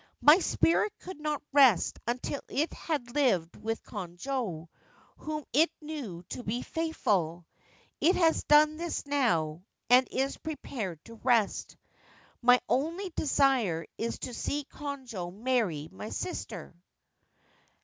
' My spirit could not rest until it had lived with Konojo, whom it knew to be faithful. It has done this now, and is prepared to rest. My only desire is to see Konojo marry my sister.'